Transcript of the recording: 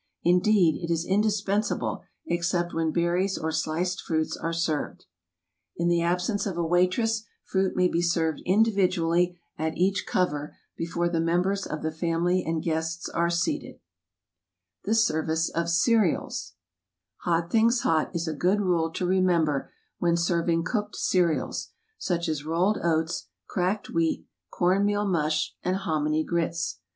Indeed, it is indispen sable except when berries or sliced fruits are served. In the absence of a waitress, fruit may be served individually at each cover before the members of the family and guests are seated. The A Colonial Salt Cellar of charming design Sugar Tongs of Lansdoivn pattern "The Service • of Qereals HOT things hot" is a good rule to remember when serving cooked cereals, such as rolled oats, cracked wheat, corn meal mush, and hominy grits.